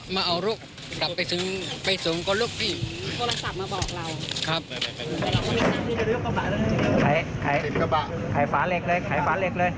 โทรศัพท์มาบอกเรา